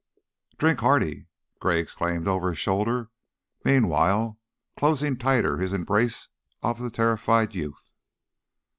"Drink hearty!" Gray exclaimed, over his shoulder, meanwhile closing tighter his embrace of the terrified youth.